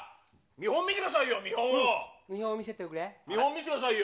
見本見せてくださいよ。